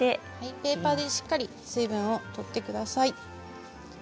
ペーパーでしっかり水分を取ってください。